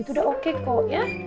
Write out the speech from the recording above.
udah oke kok ya